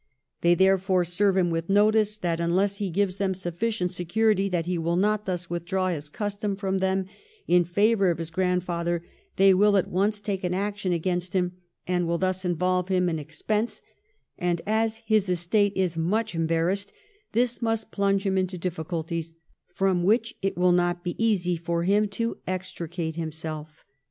They therefore serve him with notice that, unless he gives them sufficient security that he will not thus withdraw his custom from them in favour of his grandfather, they will at once take an action against him, and will thus involve him in expense, and as his estate is much embarrassed, this must plunge him into difficulties, from which it will not be easy for him to extricate himself.